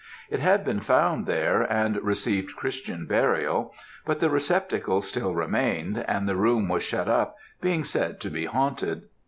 It had been found there and received Christian burial; but the receptacle still remained, and the room was shut up being said to be haunted.